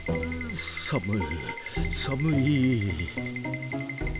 寒い寒い！